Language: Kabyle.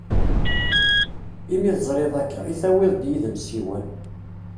Imi tezriḍ akka i tawiḍ-d id-m ssiwan!